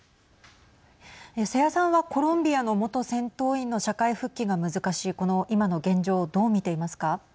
瀬谷さんはコロンビアの元戦闘員の社会復帰が難しいこの今の現状をどう見ていますか。